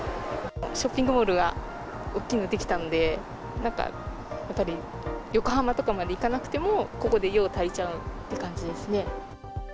ショッピングモールが、大きいの出来たんで、なんか、やっぱり、横浜とかまで行かなくても、ここで用足りちゃうって感じです